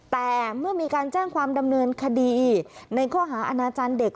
แต่เมื่อมีการแจ้งความดำเนินคดีในข้อหาอาณาจารย์เด็ก